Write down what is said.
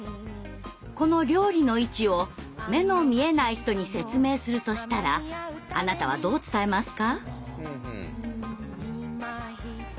この料理の位置を目の見えない人に説明するとしたらあなたはどう伝えますか？